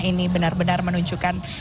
ini benar benar menunjukkan